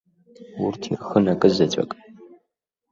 Урҭ ирхын акызаҵәык.